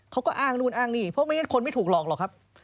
เขาก็อ้างนู่นอ้างนี่เพราะไม่งั้นคนไม่ถูกหลอกหรอกครับ